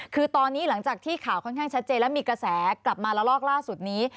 คือตอนนี้หลังจากที่ข่าวค่อนข้างชัดเจนและมีกระแสกลับมาละลอกล่าสุดนี้